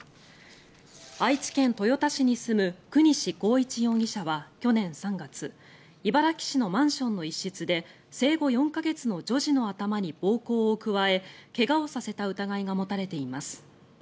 愛知県豊田市に住む國司浩一容疑者は去年３月茨木市のマンションの一室で生後４か月の女子の頭に暴行を加え怪我をさせた疑いが持たれています。